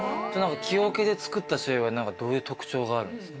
木桶で作った醤油はどういう特徴があるんですか？